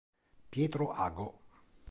Pietro Ago